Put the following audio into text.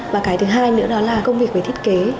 và cái thứ hai nữa đó là công việc về thiết kế